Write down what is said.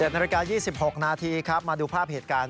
๑นาฬิกา๒๖นาทีครับมาดูภาพเหตุการณ์